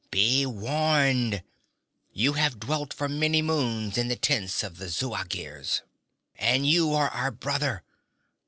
'Be warned! You have dwelt for many moons in the tents of the Zuagirs, and you are our brother!